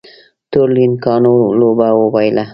تورلېنګانو لوبه وبایلله